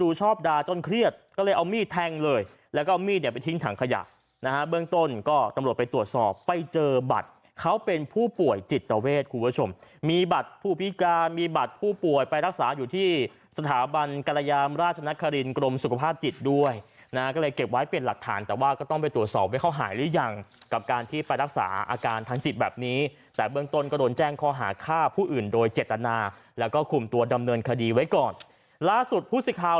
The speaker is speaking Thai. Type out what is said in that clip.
ชอบดูชอบดาจนเครียดก็เลยเอามีดแทงเลยแล้วก็มีดเนี่ยไปทิ้งถังขยะนะฮะเบื้องต้นก็ตำรวจไปตรวจสอบไปเจอบัตรเขาเป็นผู้ป่วยจิตตาเวทคุณผู้ชมมีบัตรผู้พิการมีบัตรผู้ป่วยไปรักษาอยู่ที่สถาบันกรยามราชนครินต์กรมสุขภาพจิตด้วยนะก็เลยเก็บไว้เป็นหลักฐานแต่ว่าก็ต้องไปตรวจสอบไว้เข้า